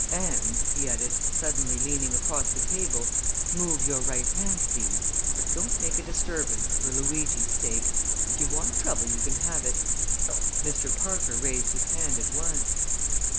And," he added, suddenly leaning across the table, "move your right hand, please! Don't make a disturbance for Luigi's sake! If you want trouble you can have it." Mr. Parker raised his hand at once.